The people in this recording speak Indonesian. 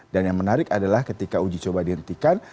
dan yang menarik adalah ketika uji coba dihentikan